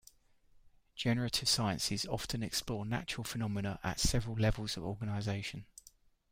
Generative sciences often explore natural phenomena at several levels of organization.